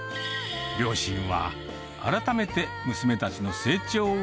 両親は改めて娘たちの成長を